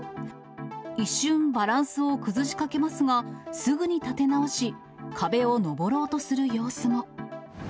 一瞬、バランスを崩しかけますが、すぐに立て直し、壁を登ろうとする様子も。